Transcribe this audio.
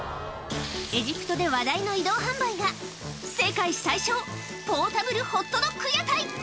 エジプトで話題の移動販売が世界最小ポータブルホットドッグ屋台！